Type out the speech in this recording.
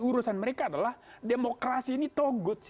urusan mereka adalah demokrasi ini togut